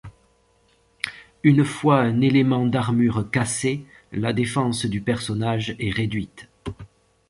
Une fois un élément d'armure cassé, la défense du personnage est réduite.